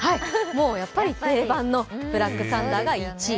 やっぱり定番のブラックサンダーが１位。